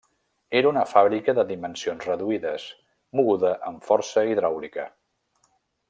Era una fàbrica de dimensions reduïdes, moguda amb força hidràulica.